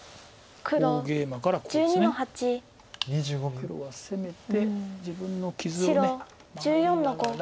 黒は攻めて自分の傷を守りながら。